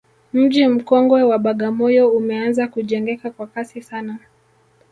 mji mkongwe wa bagamoyo umeanza kujengeka kwa kasi sana